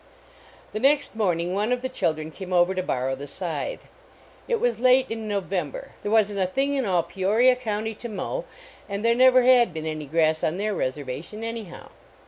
The next morning one of the children came over to borrow the scythe. It was late in November; there wasn t a thing in all Peoria county to mow, and there never had been any grass on their reservation, anyhow.